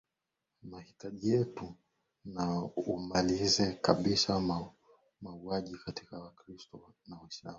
aa mahitaji yetu na amalize kabisa mauaji kati ya wakristo na waislamu